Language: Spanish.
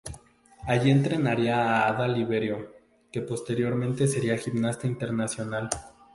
Allí entrenaría a Ada Liberio, que posteriormente sería gimnasta internacional.